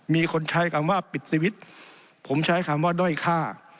มีคนใช้คำว่าปิดสวิตช์ผมใช้คำว่าด้อยค่า